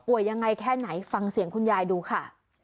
ยังไงแค่ไหนฟังเสียงคุณยายดูค่ะ